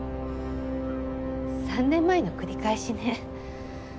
３年前の繰り返しね。